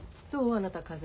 あなた風邪。